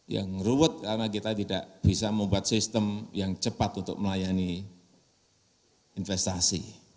yang ruwet karena kita tidak bisa membuat sistem yang cepat untuk melayani investasi